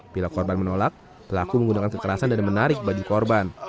bila korban menolak pelaku menggunakan kekerasan dan menarik bagi korban